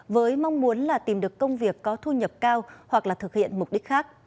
với mong muốn là tìm được công việc có thu nhập cao hoặc là thực hiện mục đích khác